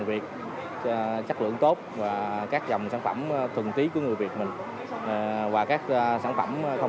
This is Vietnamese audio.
việt táp phát sát và các sản phẩm